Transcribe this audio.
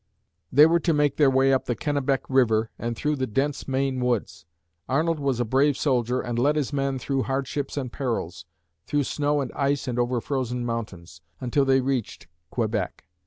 They were to make their way up the Kennebec River and through the dense Maine woods. Arnold was a brave soldier and led his men through hardships and perils, through snow and ice and over frozen mountains, until they reached Quebec.